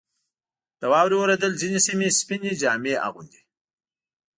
• د واورې اورېدل ځینې سیمې سپینې جامې اغوندي.